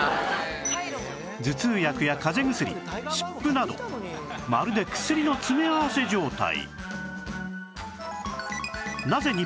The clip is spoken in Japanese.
頭痛薬や風邪薬湿布などまるで薬の詰め合わせ状態